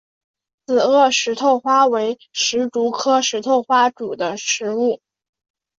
紫萼石头花为石竹科石头花属的植物。